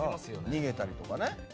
逃げたりとかね。